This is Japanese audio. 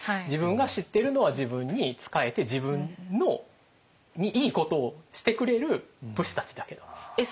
自分が知ってるのは自分に仕えて自分にいいことをしてくれる武士たちだけだと。